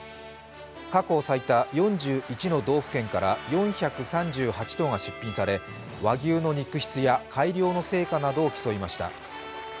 過去最多４１の道府県から４３８頭が出品され、和牛の肉質や、改良の成果などを競いました。